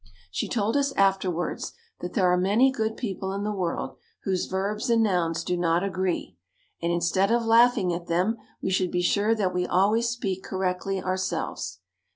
She told us afterwards that there are many good people in the world whose verbs and nouns do not agree, and instead of laughing at them we should be sure that we always speak correctly ourselves.